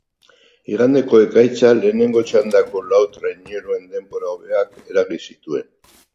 Igandeko ekaitzak lehenengo txandako lau traineruen denbora hobeak eragin zituen.